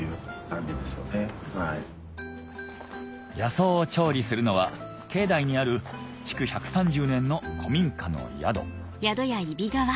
野草を調理するのは境内にある築１３０年の古民家の宿